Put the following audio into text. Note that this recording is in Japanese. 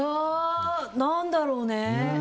何だろうね。